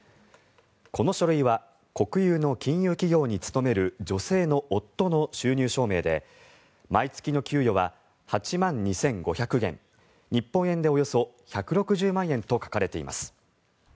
この書類は国有の金融企業に勤める女性の夫の収入証明で毎月の給与は８万２５００元日本円でおよそ１６０万円と書かれています。